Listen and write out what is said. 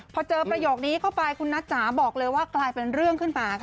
พอเจอประโยคนี้เข้าไปคุณนัทจ๋าบอกเลยว่ากลายเป็นเรื่องขึ้นมาค่ะ